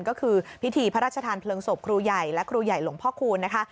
ก็คือพิธีพระราชทานเพลิงศพครูใหญ่และครูใหญ่หลวงพ่อคูณนะคะ